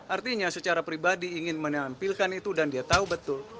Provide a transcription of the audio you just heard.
artinya secara pribadi ingin menampilkan itu dan dia tahu betul